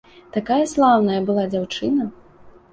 Такая слаўная была дзяўчына!